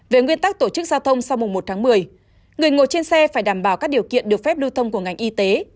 về nguyên tắc tổ chức giao thông sau mùng một tháng một mươi người ngồi trên xe phải đảm bảo các điều kiện được phép lưu thông của ngành y tế